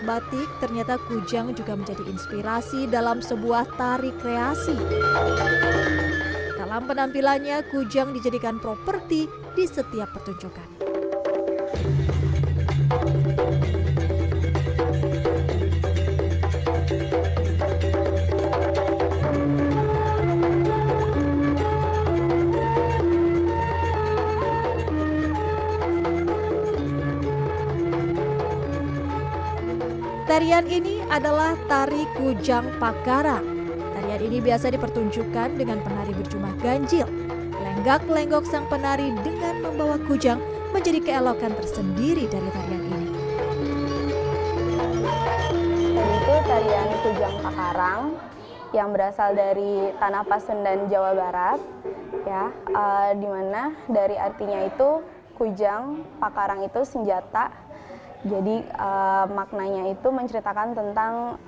wahyu berkisah kecintaannya pada kujang berawal dari kujang yang ia temukan di akhir tahun seribu sembilan ratus sembilan puluh tiga